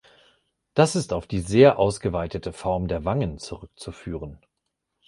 Das ist auf die sehr ausgeweitete Form der Wangen zurückzuführen.